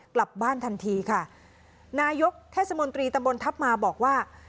กลับบ้านทันทีค่ะนายกเทศมนตรีตำบลทัพมาบอกว่า